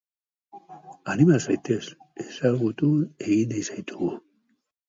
Anima zaitez, ezagutu egin nahi zaitugu!